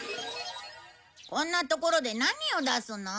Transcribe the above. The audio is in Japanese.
こんな所で何を出すの？